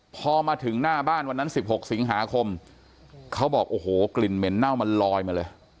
พอมาถึงหน้าบ้านวันนั้น๑๖สิงหาคมเขาบอกโอ้โหกลิ่นเหม็นเน่ามันลอยมาเลย